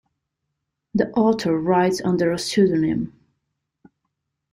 The author writes under a pseudonym.